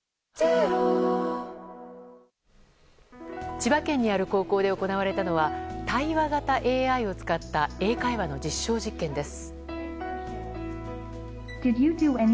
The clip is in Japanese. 千葉県にある高校で行われたのは対話型ＡＩを使った英会話の実証実験です。